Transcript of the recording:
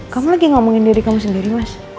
kamu lagi ngomongin diri kamu sendiri mas